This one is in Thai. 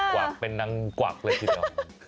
กวะเป็นนางกวะเลยกี่เท่า